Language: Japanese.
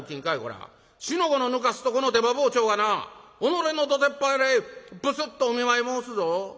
四の五のぬかすとこの出刃包丁がなおのれのどてっ腹へブスッとお見舞い申すぞ。